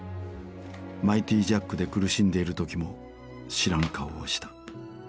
「マイティジャック」で苦しんでいる時も知らん顔をした。